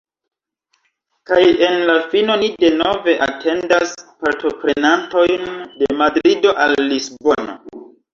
Kaj en la fino ni denove atendas partoprenantojn de Madrido al Lisbono.